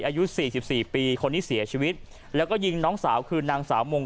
อายุสี่สิบสี่ปีคนที่เสียชีวิตแล้วก็ยิงน้องสาวคือนางสาวมง